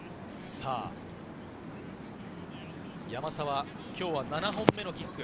山沢、今日は７本目のキック。